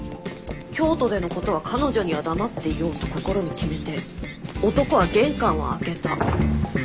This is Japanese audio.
京都でのことは彼女には黙っていようと心に決めて男は玄関を開けた。